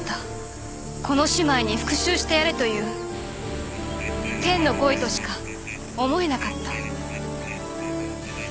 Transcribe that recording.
この姉妹に復讐してやれという天の声としか思えなかった。